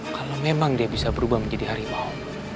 kalau memang dia bisa berubah menjadi harimau